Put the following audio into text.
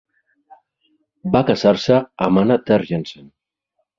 Va casar-se amb Anna Tergersen.